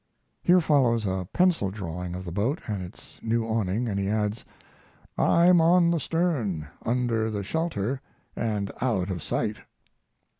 Here follows a pencil drawing of the boat and its new awning, and he adds: "I'm on the stern, under the shelter, and out of sight."